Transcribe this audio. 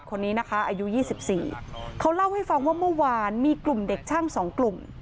คนนี้นะคะอายุ๒๔เขาเล่าให้ฟังว่าเมื่อวานมีกลุ่มเด็กช่างสองกลุ่ม